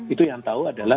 itu yang tahu adalah